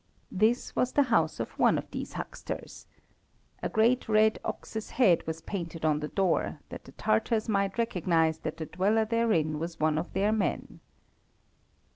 This was the house of one of these hucksters. A great red ox's head was painted on the door, that the Tatars might recognize that the dweller therein was one of their men.